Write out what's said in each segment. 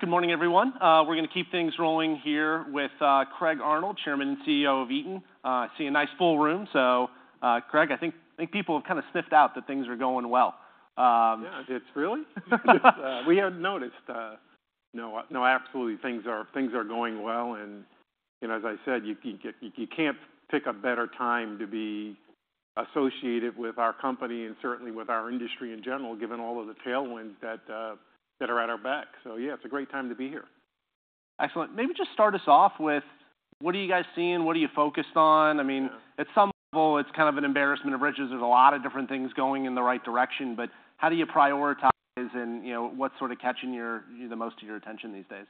Good morning, everyone. We're gonna keep things rolling here with Craig Arnold, Chairman and CEO of Eaton. I see a nice full room, so, Craig, I think people have kind of sniffed out that things are going well. Yeah, it's really? We hadn't noticed. No, absolutely, things are going well, and, you know, as I said, you can't pick a better time to be associated with our company and certainly with our industry in general, given all of the tailwinds that are at our back. So yeah, it's a great time to be here. Excellent. Maybe just start us off with, what are you guys seeing? What are you focused on? I mean, at some level, it's kind of an embarrassment of riches. There's a lot of different things going in the right direction, but how do you prioritize, and, you know, what's sort of catching your, the most of your attention these days?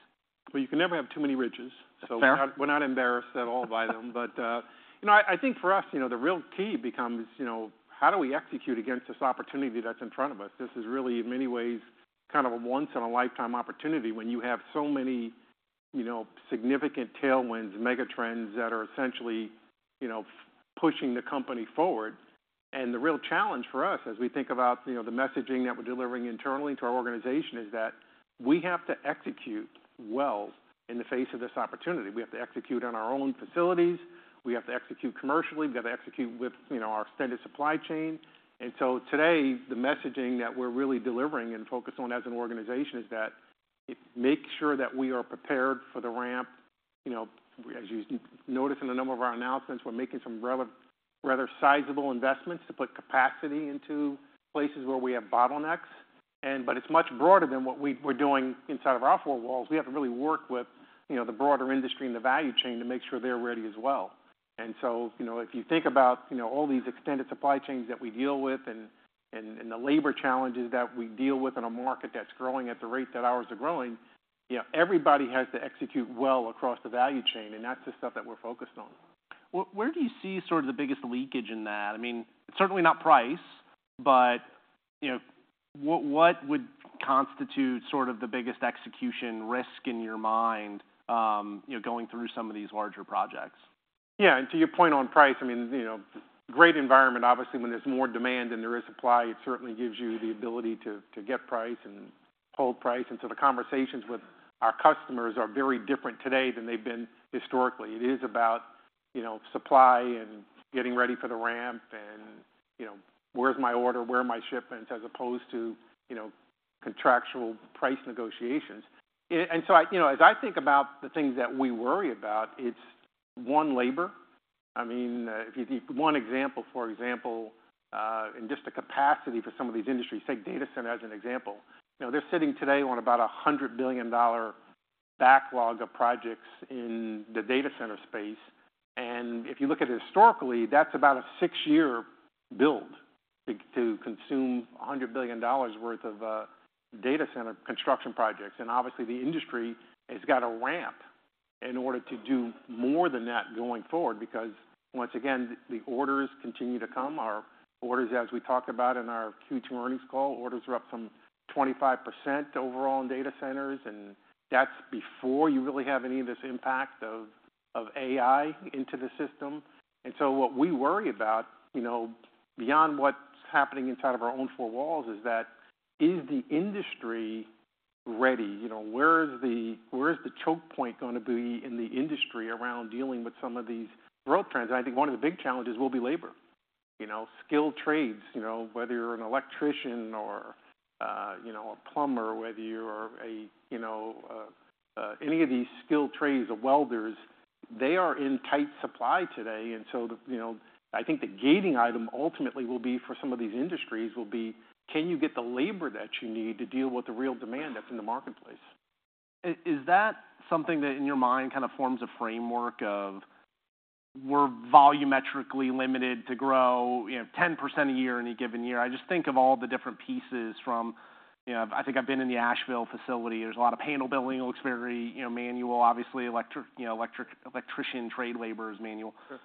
Well, you can never have too many riches. Fair So we're not embarrassed at all by them. But, you know, I think for us, you know, the real key becomes, you know, how do we execute against this opportunity that's in front of us? This is really, in many ways, kind of a once-in-a-lifetime opportunity when you have so many, you know, significant tailwinds, mega trends that are essentially, you know, pushing the company forward. And the real challenge for us, as we think about, you know, the messaging that we're delivering internally to our organization, is that we have to execute well in the face of this opportunity. We have to execute on our own facilities. We have to execute commercially. We have to execute with, you know, our extended supply chain. So today, the messaging that we're really delivering and focused on as an organization is that make sure that we are prepared for the ramp. You know, as you notice in a number of our announcements, we're making some rather sizable investments to put capacity into places where we have bottlenecks, but it's much broader than what we're doing inside of our four walls. We have to really work with, you know, the broader industry and the value chain to make sure they're ready as well. So, you know, if you think about, you know, all these extended supply chains that we deal with and the labor challenges that we deal with in a market that's growing at the rate that ours are growing, you know, everybody has to execute well across the value chain, and that's the stuff that we're focused on. Well, where do you see sort of the biggest leakage in that? I mean, certainly not price, but, you know, what, what would constitute sort of the biggest execution risk in your mind, you know, going through some of these larger projects? Yeah, and to your point on price, I mean, you know, great environment. Obviously, when there's more demand than there is supply, it certainly gives you the ability to get price and hold price. And so the conversations with our customers are very different today than they've been historically. It is about, you know, supply and getting ready for the ramp and, you know, where's my order, where are my shipments, as opposed to, you know, contractual price negotiations. And so, you know, as I think about the things that we worry about, it's one, labor. I mean, if you need one example, for example, in just the capacity for some of these industries, take data center as an example. You know, they're sitting today on about a $100 billion backlog of projects in the data center space, and if you look at it historically, that's about a six-year build to consume a $100 billion worth of data center construction projects. And obviously, the industry has got to ramp in order to do more than that going forward because, once again, the orders continue to come. Our orders, as we talked about in our Q2 earnings call, orders are up some 25% overall in data centers, and that's before you really have any of this impact of AI into the system. And so what we worry about, you know, beyond what's happening inside of our own four walls, is that the industry ready? You know, where is the choke point gonna be in the industry around dealing with some of these growth trends? I think one of the big challenges will be labor. You know, skilled trades, you know, whether you're an electrician or, you know, a plumber, whether you're a, you know, any of these skilled trades, welders they are in tight supply today. And so the, you know, I think the gating item ultimately will be for some of these industries will be: Can you get the labor that you need to deal with the real demand that's in the marketplace? Is that something that, in your mind, kind of forms a framework of we're volumetrically limited to grow, you know, 10% a year in any given year? I just think of all the different pieces from... You know, I think I've been in the Asheville facility. There's a lot of panel building, looks very, you know, manual, obviously, electric, you know, electrician trade labor is manual. Sure.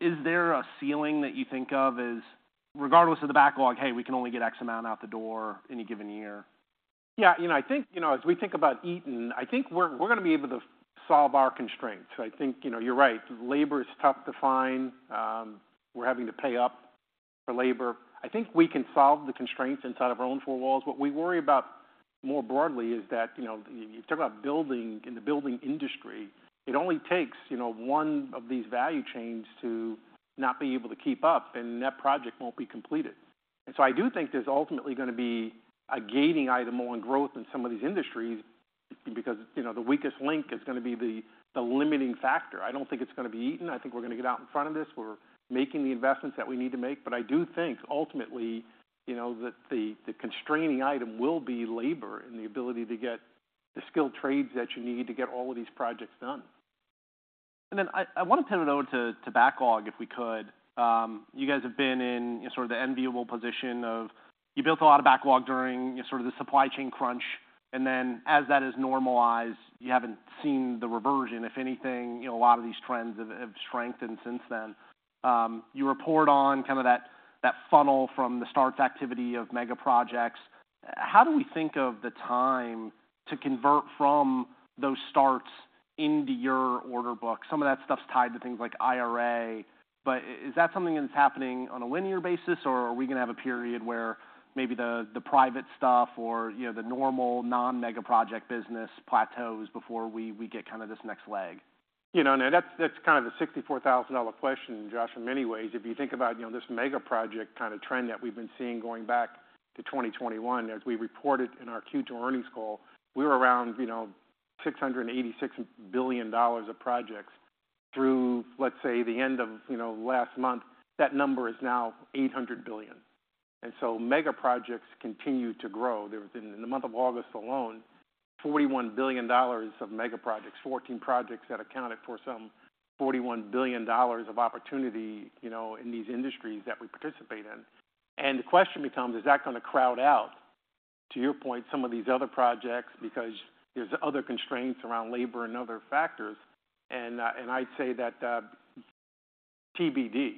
Is there a ceiling that you think of as, regardless of the backlog, "Hey, we can only get X amount out the door any given year? Yeah, you know, I think, you know, as we think about Eaton, I think we're gonna be able to solve our constraints. I think, you know, you're right, labor is tough to find. We're having to pay up for labor. I think we can solve the constraints inside of our own four walls. What we worry about more broadly is that, you know, you talk about in the building industry, it only takes, you know, one of these value chains to not be able to keep up, and that project won't be completed. And so I do think there's ultimately gonna be a gating item on growth in some of these industries because, you know, the weakest link is gonna be the limiting factor. I don't think it's gonna be Eaton. I think we're gonna get out in front of this. We're making the investments that we need to make, but I do think ultimately, you know, that the constraining item will be labor and the ability to get the skilled trades that you need to get all of these projects done. And then I want to turn it over to backlog, if we could. You guys have been in sort of the enviable position of you built a lot of backlog during sort of the supply chain crunch, and then as that has normalized, you haven't seen the reversion. If anything, you know, a lot of these trends have strengthened since then. You report on kind of that funnel from the starts activity of mega projects. How do we think of the time to convert from those starts into your order book? Some of that stuff's tied to things like IRA, but is that something that's happening on a linear basis, or are we gonna have a period where maybe the private stuff or, you know, the normal non-megaproject business plateaus before we get kind of this next leg? You know, now that's kind of the $64,000 question, Josh, in many ways. If you think about, you know, this megaproject kind of trend that we've been seeing going back to 2021, as we reported in our Q2 earnings call, we were around, you know, $686 billion of projects through, let's say, the end of, you know, last month. That number is now $800 billion, and so megaprojects continue to grow. There was, in, in the month of August alone, $41 billion of megaprojects, 14 projects that accounted for some $41 billion of opportunity, you know, in these industries that we participate in. And the question becomes, is that gonna crowd out, to your point, some of these other projects, because there's other constraints around labor and other factors? And I'd say that TBD.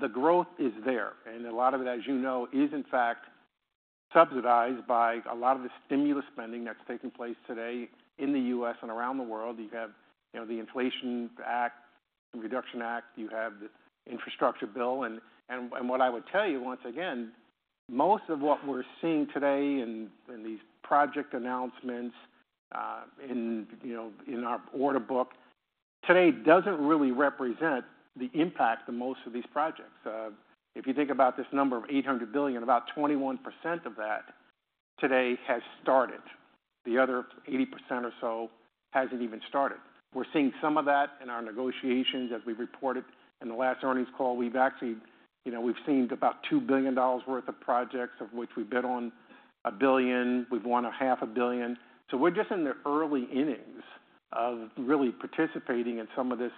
The growth is there, and a lot of it, as you know, is in fact subsidized by a lot of the stimulus spending that's taking place today in the U.S. and around the world. You have, you know, the Inflation Reduction Act, you have the infrastructure bill. And what I would tell you, once again, most of what we're seeing today in these project announcements, you know, in our order book, today doesn't really represent the impact of most of these projects. If you think about this number of $800 billion, about 21% of that today has started. The other 80% or so hasn't even started. We're seeing some of that in our negotiations, as we reported in the last earnings call. We've actually, you know, we've seen about $2 billion worth of projects, of which we bid on $1 billion. We've won $500 million. So we're just in the early innings of really participating in some of this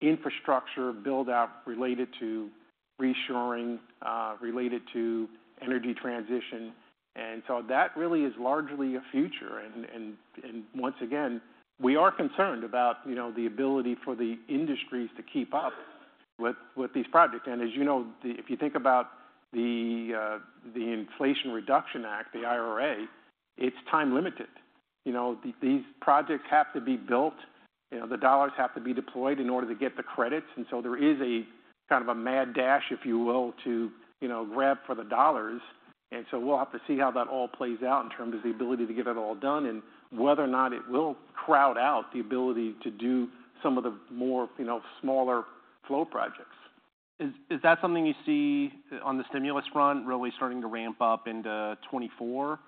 infrastructure build-out related to reshoring, related to energy transition, and so that really is largely a future. Once again, we are concerned about, you know, the ability for the industries to keep up with these projects. And as you know, if you think about the Inflation Reduction Act, the IRA, it's time-limited. You know, these projects have to be built, you know, the dollars have to be deployed in order to get the credits, and so there is a kind of a mad dash, if you will, to, you know, grab for the dollars. And so we'll have to see how that all plays out in terms of the ability to get it all done and whether or not it will crowd out the ability to do some of the more, you know, smaller flow projects. Is that something you see on the stimulus front really starting to ramp up into 2024?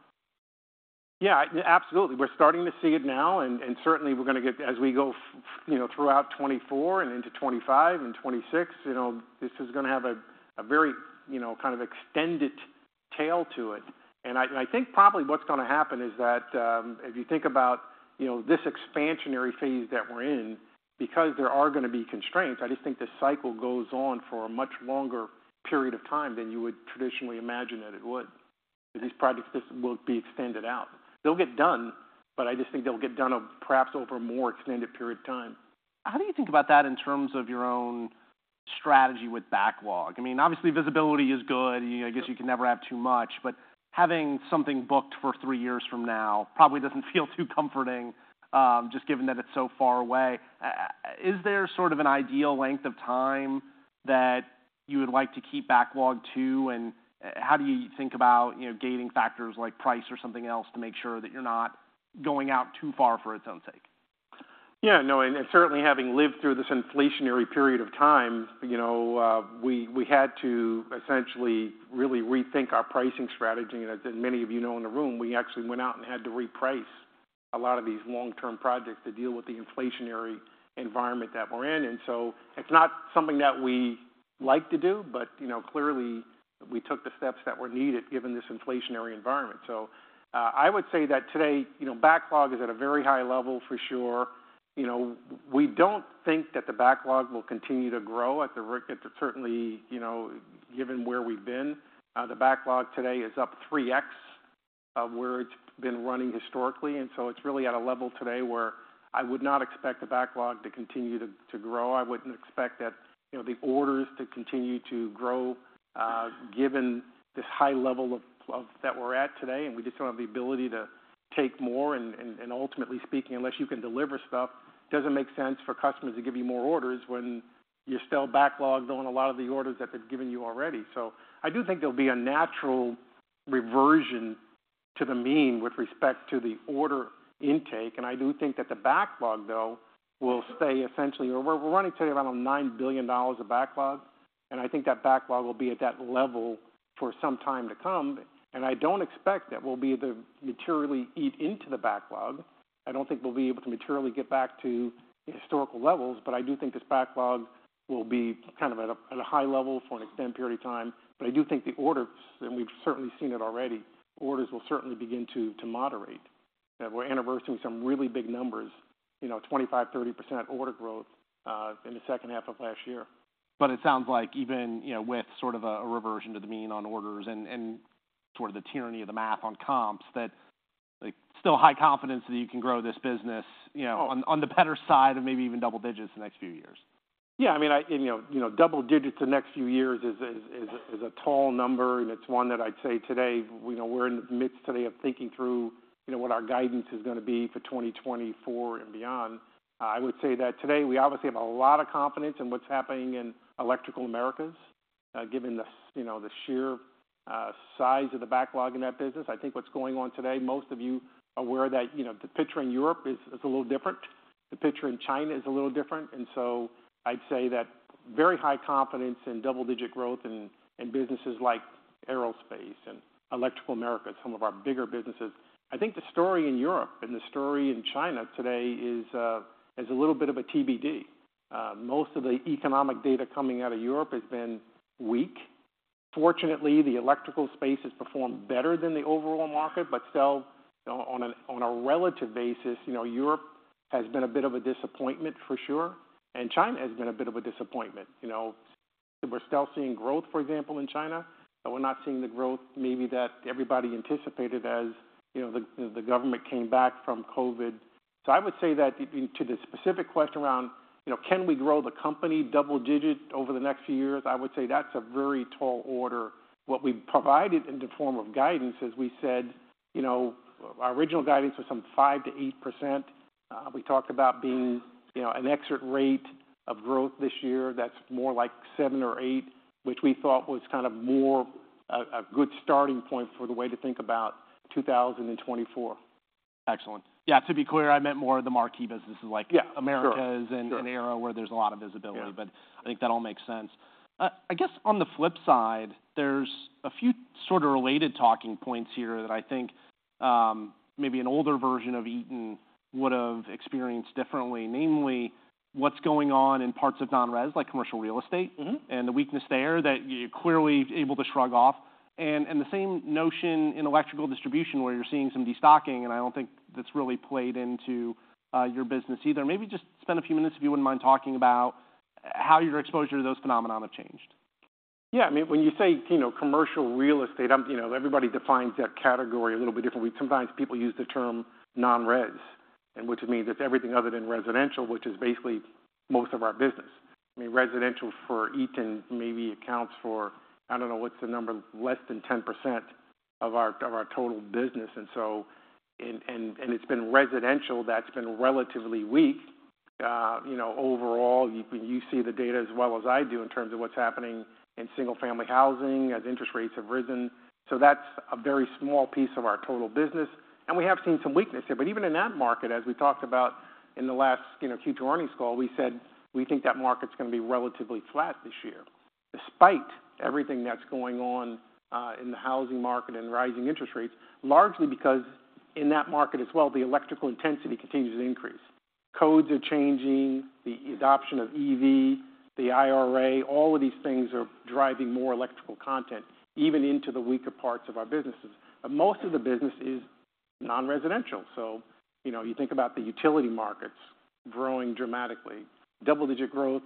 Yeah, absolutely. We're starting to see it now, and certainly we're gonna get as we go, you know, throughout 2024 and into 2025 and 2026, you know, this is gonna have a very, you know, kind of extended tail to it. I think probably what's gonna happen is that, if you think about, you know, this expansionary phase that we're in, because there are gonna be constraints, I just think the cycle goes on for a much longer period of time than you would traditionally imagine that it would. These projects just will be extended out. They'll get done, but I just think they'll get done perhaps over a more extended period of time. How do you think about that in terms of your own strategy with backlog? I mean, obviously, visibility is good. I guess you can never have too much, but having something booked for three years from now probably doesn't feel too comforting, just given that it's so far away. Is there sort of an ideal length of time that you would like to keep backlog to, and how do you think about, you know, gating factors like price or something else to make sure that you're not going out too far for its own sake? Yeah, no, and certainly, having lived through this inflationary period of time, you know, we had to essentially really rethink our pricing strategy. And as many of you know, in the room, we actually went out and had to reprice a lot of these long-term projects to deal with the inflationary environment that we're in. And so it's not something that we like to do, but you know, clearly, we took the steps that were needed, given this inflationary environment. So, I would say that today, you know, backlog is at a very high level for sure. You know, we don't think that the backlog will continue to grow at the rate certainly, you know, given where we've been. The backlog today is up 3x of where it's been running historically, and so it's really at a level today where I would not expect the backlog to continue to grow. I wouldn't expect that, you know, the orders to continue to grow, given this high level of that we're at today, and we just don't have the ability to take more, and ultimately speaking, unless you can deliver stuff, it doesn't make sense for customers to give you more orders when you're still backlogged on a lot of the orders that they've given you already. So I do think there'll be a natural reversion to the mean with respect to the order intake, and I do think that the backlog, though, will stay essentially. We're running today around $9 billion of backlog, and I think that backlog will be at that level for some time to come. I don't expect that we'll be able to materially eat into the backlog. I don't think we'll be able to materially get back to historical levels, but I do think this backlog will be kind of at a high level for an extended period of time. But I do think the orders, and we've certainly seen it already, orders will certainly begin to moderate. We're anniversarying some really big numbers, you know, 25%-30% order growth in the second half of last year. But it sounds like even, you know, with sort of a reversion to the mean on orders and sort of the tyranny of the math on comps, that, like, still high confidence that you can grow this business, you know, on the better side and maybe even double digits the next few years? Yeah, I mean, you know, double digits the next few years is a tall number, and it's one that I'd say today, you know, we're in the midst today of thinking through, you know, what our guidance is going to be for 2024 and beyond. I would say that today we obviously have a lot of confidence in what's happening in Electrical Americas, given the, you know, the sheer size of the backlog in that business. I think what's going on today, most of you are aware that, you know, the picture in Europe is a little different. The picture in China is a little different. And so I'd say that very high confidence in double-digit growth in businesses like Aerospace and Electrical Americas, some of our bigger businesses. I think the story in Europe and the story in China today is a little bit of a TBD. Most of the economic data coming out of Europe has been weak. Fortunately, the electrical space has performed better than the overall market, but still, on a relative basis, you know, Europe has been a bit of a disappointment for sure, and China has been a bit of a disappointment. You know, we're still seeing growth, for example, in China, but we're not seeing the growth maybe that everybody anticipated as, you know, the government came back from COVID. So I would say that to the specific question around, you know, can we grow the company double digits over the next few years? I would say that's a very tall order. What we provided in the form of guidance is, we said, you know, our original guidance was some 5%-8%. We talked about being, you know, an expected rate of growth this year. That's more like 7% or 8%, which we thought was kind of more a good starting point for the way to think about 2024. Excellent. Yeah, to be clear, I meant more of the marquee businesses like Americas and EMEA, where there's a lot of visibility. Yeah. I think that all makes sense. I guess on the flip side, there's a few sort of related talking points here that I think, maybe an older version of Eaton would have experienced differently, namely, what's going on in parts of non-res, like commercial real estate and the weakness there, that you're clearly able to shrug off. And the same notion in electrical distribution, where you're seeing some destocking, and I don't think that's really played into your business either. Maybe just spend a few minutes, if you wouldn't mind, talking about how your exposure to those phenomena have changed. Yeah. I mean, when you say, you know, commercial real estate, you know, everybody defines that category a little bit differently. Sometimes people use the term non-res, and which means it's everything other than residential, which is basically most of our business. I mean, residential for Eaton maybe accounts for, I don't know, what's the number? Less than 10% of our total business. And so, it's been residential that's been relatively weak. You know, overall, you see the data as well as I do in terms of what's happening in single-family housing as interest rates have risen. So that's a very small piece of our total business, and we have seen some weakness there. But even in that market, as we talked about in the last, you know, future earnings call, we said we think that market's going to be relatively flat this year, despite everything that's going on in the housing market and rising interest rates, largely because in that market as well, the electrical intensity continues to increase. Codes are changing, the adoption of EV, the IRA, all of these things are driving more electrical content, even into the weaker parts of our businesses. But most of the business is non-residential. So you know, you think about the utility markets growing dramatically. Double-digit growth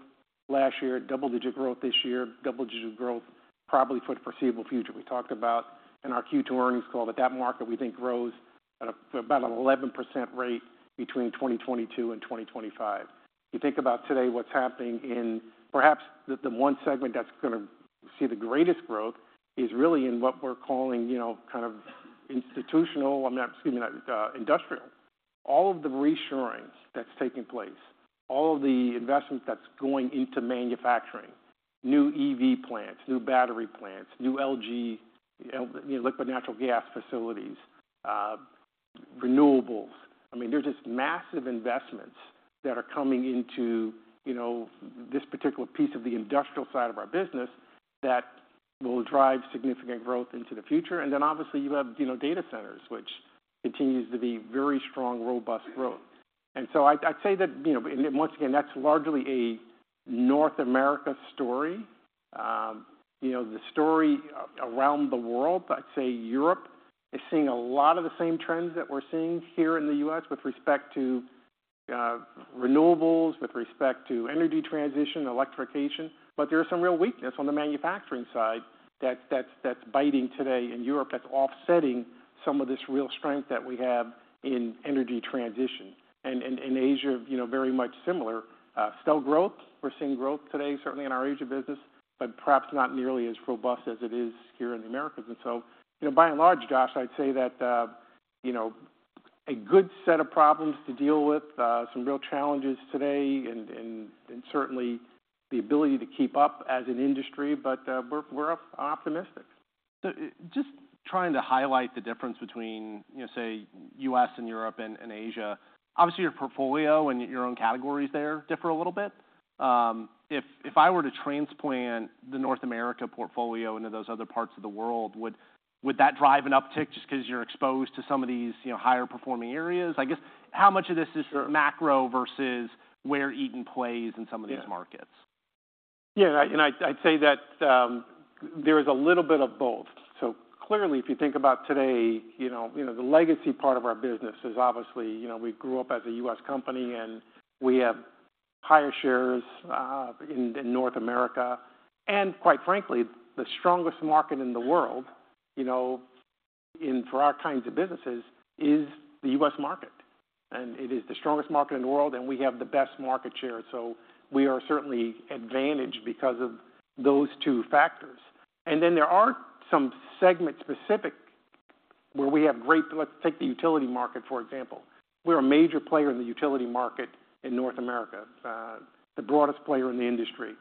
last year, double-digit growth this year, double-digit growth probably for the foreseeable future. We talked about in our Q2 earnings call, that that market, we think, grows at about an 11% rate between 2022 and 2025. You think about today, what's happening in perhaps the one segment that's going to see the greatest growth is really in what we're calling, you know, kind of institutional industrial. All of the reshoring that's taking place, all of the investment that's going into manufacturing, new EV plants, new battery plants, new LNG, liquefied natural gas facilities, renewables. I mean, there's just massive investments that are coming into, you know, this particular piece of the industrial side of our business that will drive significant growth into the future. And then obviously, you have, you know, data centers, which continues to be very strong, robust growth. And so I'd say that, you know, once again, that's largely a North America story. You know, the story around the world, I'd say Europe is seeing a lot of the same trends that we're seeing here in the U.S. with respect to renewables, with respect to energy transition, electrification. But there are some real weakness on the manufacturing side that's biting today in Europe, that's offsetting some of this real strength that we have in energy transition. And in Asia, you know, very much similar. Still growth. We're seeing growth today, certainly in our Asia business, but perhaps not nearly as robust as it is here in the Americas. And so, you know, by and large, Josh, I'd say that you know, a good set of problems to deal with, some real challenges today, and certainly the ability to keep up as the industry, but we're optimistic. So just trying to highlight the difference between, you know, say, U.S. and Europe and Asia. Obviously, your portfolio and your own categories there differ a little bit. If I were to transplant the North America portfolio into those other parts of the world, would that drive an uptick just because you're exposed to some of these, you know, higher-performing areas? I guess, how much of this is macro versus where Eaton plays in some of these markets? Yeah, and I'd say that there is a little bit of both. So clearly, if you think about today, you know, the legacy part of our business is obviously, you know, we grew up as a U.S. company, and we have higher shares in North America, and quite frankly, the strongest market in the world for our kinds of businesses is the U.S. market, and it is the strongest market in the world, and we have the best market share. So we are certainly advantaged because of those two factors. And then there are some segment-specific where we have great. Let's take the utility market, for example. We're a major player in the utility market in North America, the broadest player in the industry.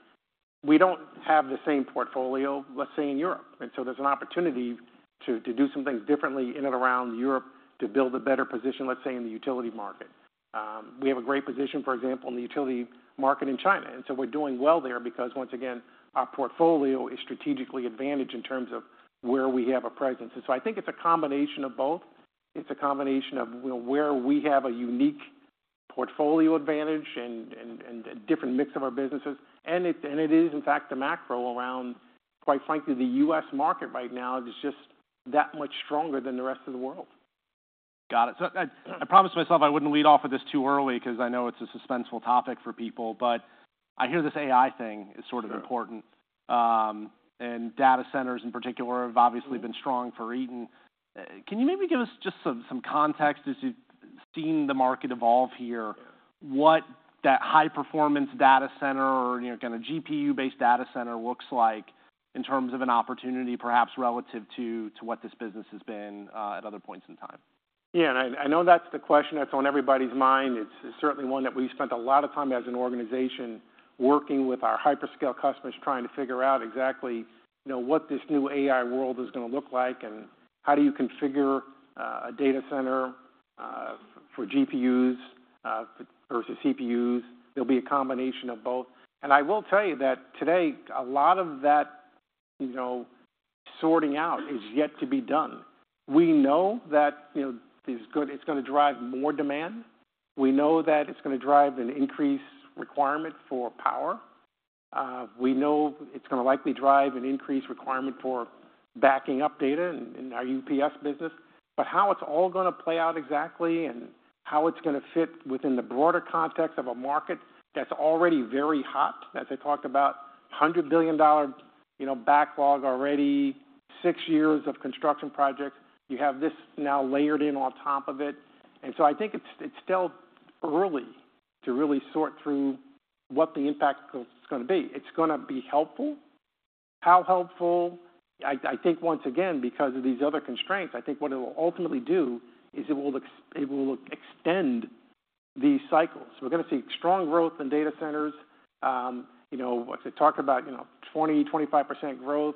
We don't have the same portfolio, let's say, in Europe, and so there's an opportunity to do some things differently in and around Europe to build a better position, let's say, in the utility market. We have a great position, for example, in the utility market in China, and so we're doing well there because once again, our portfolio is strategically advantaged in terms of where we have a presence. And so I think it's a combination of both. It's a combination of, you know, where we have a unique portfolio advantage and a different mix of our businesses. And it is, in fact, the macro around, quite frankly, the U.S. market right now is just that much stronger than the rest of the world. Got it. So I promised myself I wouldn't lead off with this too early because I know it's a suspenseful topic for people, but I hear this AI thing is sort of important. Sure. Data centers, in particular, have obviously been strong for Eaton. Can you maybe give us just some context, as you've seen the market evolve here, what that high-performance data center or, you know, kind of GPU-based data center looks like in terms of an opportunity, perhaps relative to what this business has been at other points in time? Yeah, and Iknow that's the question that's on everybody's mind. It's, it's certainly one that we spent a lot of time as an organization working with our hyperscale customers, trying to figure out exactly, you know, what this new AI world is gonna look like, and how do you configure a data center for GPUs versus CPUs. There'll be a combination of both. And I will tell you that today, a lot of that, you know, sorting out is yet to be done. We know that, you know, it's gonna drive more demand. We know that it's gonna drive an increased requirement for power. We know it's gonna likely drive an increased requirement for backing up data in, in our UPS business. But how it's all gonna play out exactly, and how it's gonna fit within the broader context of a market that's already very hot, as I talked about, $100 billion, you know, backlog already, six years of construction projects. You have this now layered in on top of it, and so I think it's still early to really sort through what the impact is gonna be. It's gonna be helpful. How helpful? I think once again, because of these other constraints, I think what it will ultimately do is it will extend these cycles. We're gonna see strong growth in data centers, you know, what they talk about, you know, 20%-25% growth,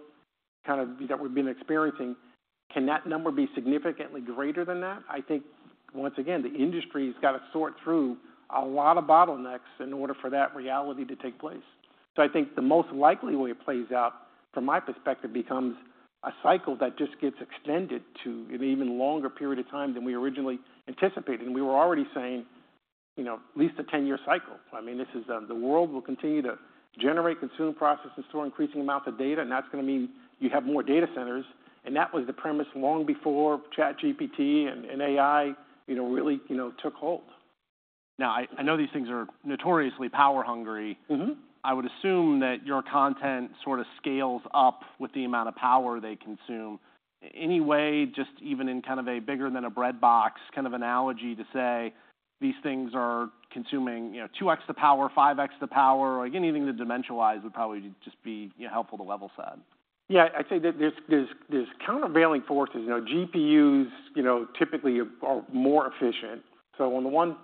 kind of that we've been experiencing. Can that number be significantly greater than that? I think once again, the industry's got to sort through a lot of bottlenecks in order for that reality to take place. So I think the most likely way it plays out, from my perspective, becomes a cycle that just gets extended to an even longer period of time than we originally anticipated. And we were already saying, you know, at least a 10-year cycle. I mean, this is, the world will continue to generate, consume, process, and store increasing amounts of data, and that's gonna mean you have more data centers, and that was the premise long before ChatGPT and AI, you know, really, you know, took hold. Now, I know these things are notoriously power hungry. I would assume that your content sort of scales up with the amount of power they consume. Anyway, just even in kind of a bigger than a breadbox kind of analogy, to say these things are consuming, you know, 2x the power, 5x the power, or anything to dimensionalize would probably just be, you know, helpful to level set. Yeah, I'd say that there's countervailing forces. You know, GPUs, you know, typically are more efficient. So in the one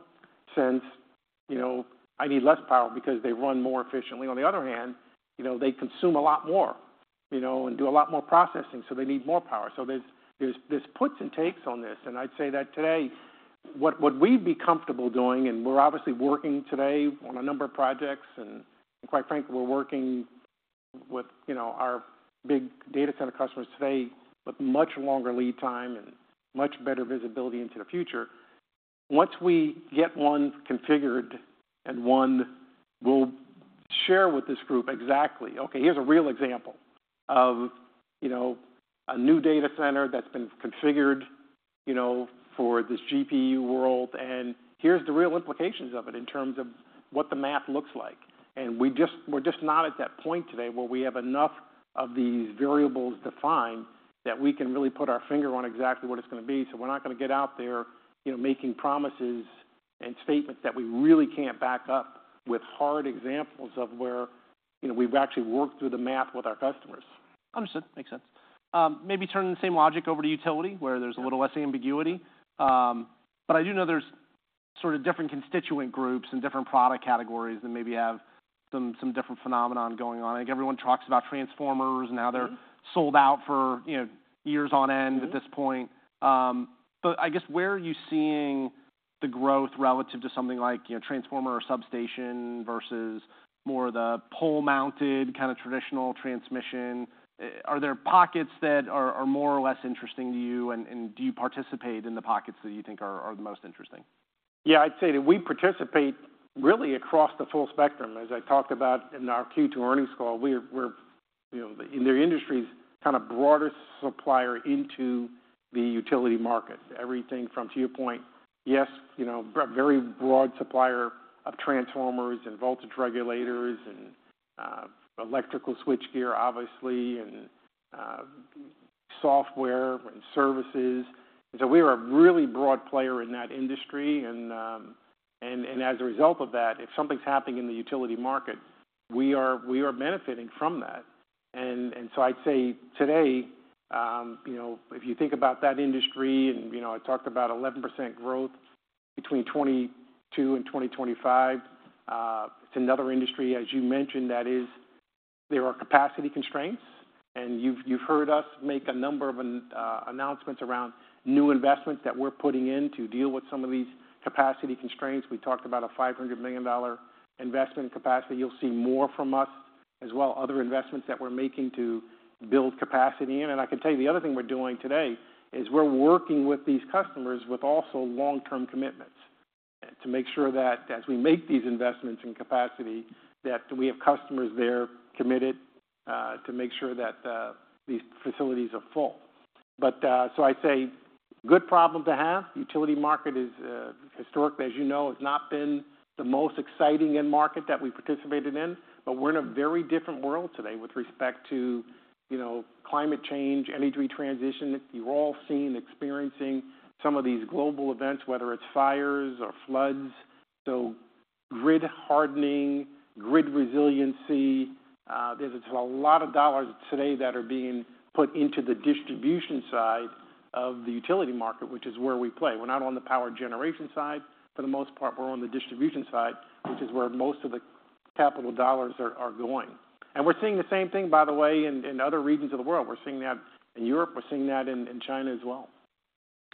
sense, you know, I need less power because they run more efficiently. On the other hand, you know, they consume a lot more, you know, and do a lot more processing, so they need more power. So there's puts and takes on this, and I'd say that today, what we'd be comfortable doing, and we're obviously working today on a number of projects, and quite frankly, we're working with, you know, our big data center customers today with much longer lead time and much better visibility into the future. Once we get one configured and one we'll share with this group exactly, "Okay, here's a real example of, you know, a new data center that's been configured, you know, for this GPU world, and here's the real implications of it in terms of what the math looks like." We're just not at that point today where we have enough of these variables defined that we can really put our finger on exactly what it's gonna be. So we're not gonna get out there, you know, making promises and statements that we really can't back up with hard examples of where, you know, we've actually worked through the math with our customers. Understood. Makes sense. Maybe turning the same logic over to utility, where there's a little less ambiguity. But I do know there's sort of different constituent groups and different product categories that maybe have some different phenomenon going on. I think everyone talks about transformers, and now they're sold out for, you know, years on end-at this point. But I guess, where are you seeing the growth relative to something like, you know, transformer or substation versus more the pole-mounted, kind of traditional transmission? Are there pockets that are more or less interesting to you, and do you participate in the pockets that you think are the most interesting? Yeah, I'd say that we participate really across the full spectrum. As I talked about in our Q2 earnings call, we're, you know, the industry's kind of broadest supplier into the utility market. Everything from, to your point, yes, you know, we've got very broad supplier of transformers and voltage regulators, and electrical switchgear, obviously, and software and services. And so we are a really broad player in that industry. And, and as a result of that, if something's happening in the utility market, we are benefiting from that. And so I'd say today, you know, if you think about that industry and, you know, I talked about 11% growth between 2022 and 2025. It's another industry, as you mentioned, that is, there are capacity constraints, and you've heard us make a number of announcements around new investments that we're putting in to deal with some of these capacity constraints. We talked about a $500 million investment capacity. You'll see more from us as well, other investments that we're making to build capacity. And I can tell you the other thing we're doing today is we're working with these customers with also long-term commitments, to make sure that as we make these investments in capacity, that we have customers there committed, to make sure that these facilities are full. But, so I'd say good problem to have. Utility market is, historically, as you know, has not been the most exciting end market that we participated in, but we're in a very different world today with respect to, you know, climate change, energy transition. You've all seen, experiencing some of these global events, whether it's fires or floods. So grid hardening, grid resiliency, there's a lot of dollars today that are being put into the distribution side of the utility market, which is where we play. We're not on the power generation side, for the most part. We're on the distribution side, which is where most of the capital dollars are going. And we're seeing the same thing, by the way, in other regions of the world. We're seeing that in Europe, we're seeing that in China as well.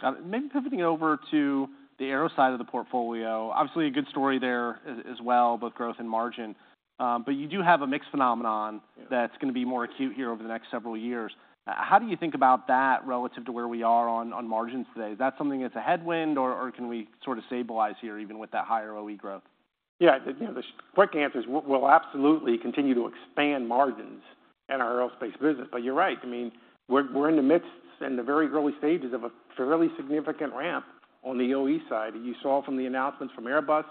Got it. Maybe pivoting over to the Aero side of the portfolio. Obviously, a good story there as well, both growth and margin. But you do have a mixed phenomenon that's gonna be more acute here over the next several years. How do you think about that relative to where we are on margins today? Is that something that's a headwind, or can we sort of stabilize here, even with that higher OE growth? Yeah, the, you know, the quick answer is we'll absolutely continue to expand margins in our Aerospace business. But you're right, I mean, we're, we're in the midst and the very early stages of a fairly significant ramp on the OE side. You saw from the announcements from Airbus,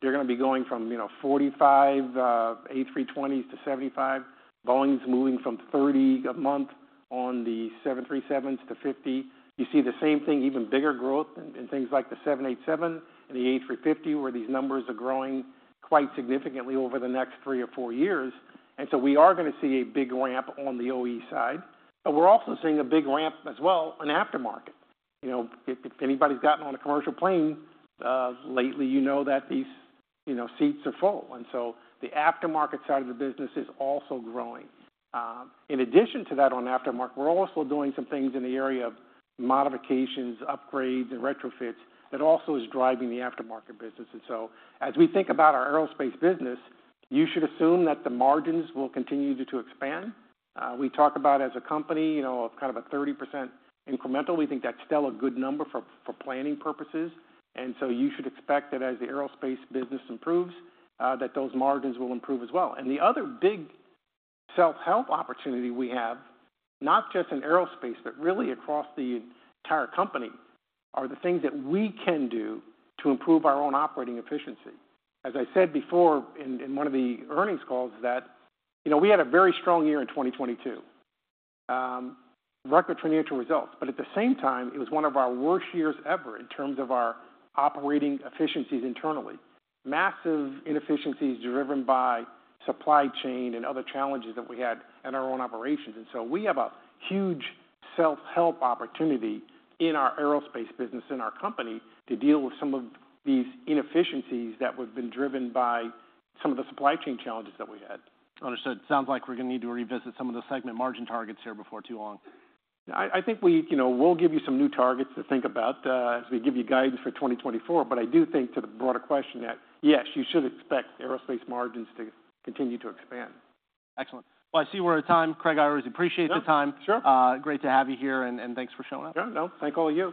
they're gonna be going from, you know, 45 A320 to 75. Volumes moving from 30 a month on the 737 to 50. You see the same thing, even bigger growth in things like the 787 and the A350, where these numbers are growing quite significantly over the next three or four years. And so we are gonna see a big ramp on the OE side, but we're also seeing a big ramp as well in aftermarket. You know, if anybody's gotten on a commercial plane lately, you know that these seats are full, and so the aftermarket side of the business is also growing. In addition to that, on aftermarket, we're also doing some things in the area of modifications, upgrades, and retrofits. That also is driving the aftermarket business. And so as we think about our Aerospace business, you should assume that the margins will continue to expand. We talk about as a company, you know, of kind of a 30% incremental. We think that's still a good number for planning purposes, and so you should expect that as the Aerospace business improves, that those margins will improve as well. The other big self-help opportunity we have, not just in Aerospace, but really across the entire company, are the things that we can do to improve our own operating efficiency. As I said before in one of the earnings calls that, you know, we had a very strong year in 2022. Record financial results, but at the same time, it was one of our worst years ever in terms of our operating efficiencies internally. Massive inefficiencies driven by supply chain and other challenges that we had in our own operations. And so we have a huge self-help opportunity in our Aerospace business, in our company, to deal with some of these inefficiencies that we've been driven by some of the supply chain challenges that we had. Understood. Sounds like we're gonna need to revisit some of the segment margin targets here before too long. I think we, you know, we'll give you some new targets to think about, as we give you guidance for 2024. But I do think to the broader question, that yes, you should expect Aerospace margins to continue to expand. Excellent. Well, I see we're out of time. Craig Arnold, appreciate the time. Sure. Great to have you here, and thanks for showing up. Sure, no. Thank all of you.